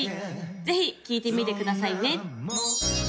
ぜひ聴いてみてくださいね